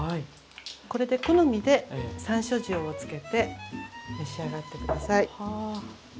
これで好みでさんしょう塩を付けて召し上がって下さい。